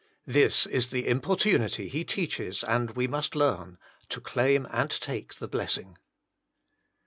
This is the importunity He teaches, and we must learn : to claim and take the blessing.